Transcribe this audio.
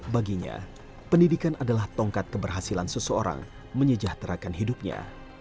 baginya pendidikan adalah tongkat keberhasilan seseorang menyejahterakan hidupnya